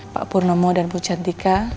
pak purnomo dan bu cantika